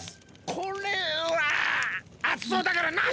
これはあつそうだからなし！